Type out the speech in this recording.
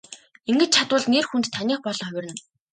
Ингэж чадвал нэр хүнд таных болон хувирна.